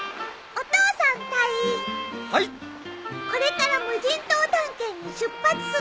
これから無人島探検に出発する。